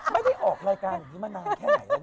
ไม่ได้ออกรายการยังมานานแค่ไหน